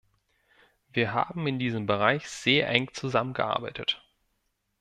Wir haben in diesem Bereich sehr eng zusammengearbeitet.